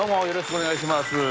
よろしくお願いします。